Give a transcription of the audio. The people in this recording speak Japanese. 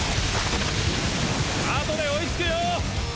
あとで追いつくよ！